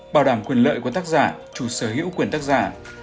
bảo đảm quyền lợi của tác giả chủ sở hữu quyền tác giả